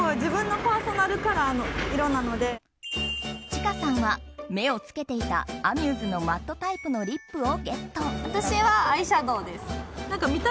ちかさんは目をつけていたＡＭＵＳＥのマットタイプのリップをゲット。